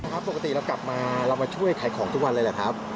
ครับปกติเรากลับมาเรามาช่วยขายของทุกวันเลยเหรอครับ